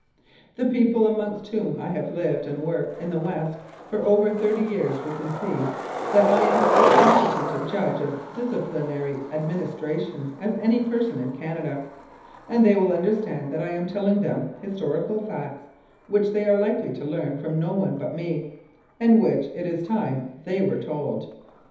The people amongst whom I have lived and worked in the West for over thirty years will concede that I am as competent a judge of disciplinary administration as any person in Canada, and they will understand that I am telling them historical facts which they are likely to learn from no one but me, and which it is time they were told.